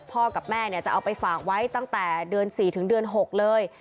กับแม่จะเอาไปฝากไว้ตั้งแต่เดือน๔ถึงเดือน๖เลย